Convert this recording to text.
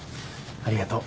ありがとう。